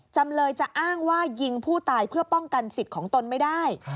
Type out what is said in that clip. จำเลยจะอ้างว่ายิงผู้ตายเพื่อป้องกันสิทธิ์ของตนไม่ได้